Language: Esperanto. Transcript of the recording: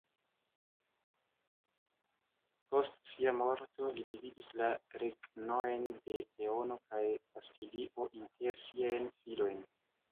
Post sia morto, li dividis la regnojn de Leono kaj Kastilio inter siajn filojn.